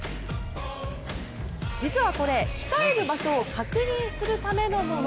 実はこれ、鍛える場所を確認するためのもの。